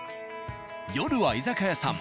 夜は居酒屋さん